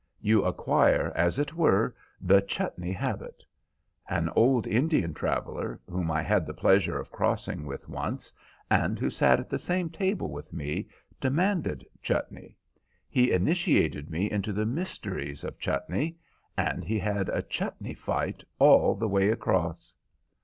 You acquire, as it were, the chutney habit. An old Indian traveller, whom I had the pleasure of crossing with once, and who sat at the same table with me, demanded chutney. He initiated me into the mysteries of chutney, and he had a chutney fight all the way across."